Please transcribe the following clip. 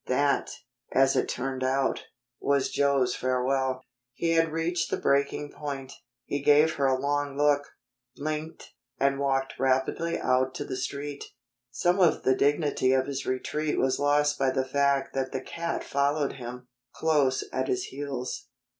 That, as it turned out, was Joe's farewell. He had reached the breaking point. He gave her a long look, blinked, and walked rapidly out to the Street. Some of the dignity of his retreat was lost by the fact that the cat followed him, close at his heels.